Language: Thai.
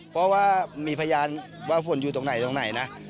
เพราะว่ามีพยานว่าฝนอยู่ตรงไหนตรงไหนนะ